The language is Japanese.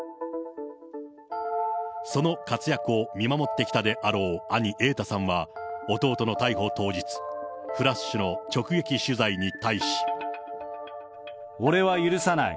その活躍を見守ってきたであろう兄、瑛太さんは、弟の逮捕当日、俺は許さない。